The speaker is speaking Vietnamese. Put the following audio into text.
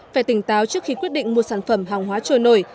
phải tỉnh táo trước khi quyết định mua sản phẩm hàng hóa trôi nổi